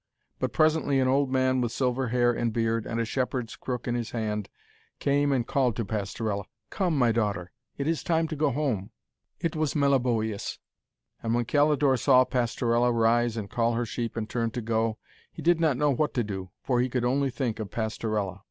But presently an old man with silver hair and beard, and a shepherd's crook in his hand, came and called to Pastorella, 'Come, my daughter, it is time to go home.' It was Meliboeus, and when Calidore saw Pastorella rise and call her sheep and turn to go, he did not know what to do, for he could only think of Pastorella.